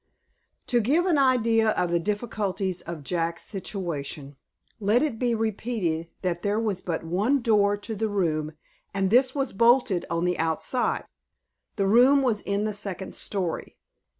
TO give an idea of the difficulties of Jack's situation, let it be repeated that there was but one door to the room, and this was bolted on the outside. The room was in the second story.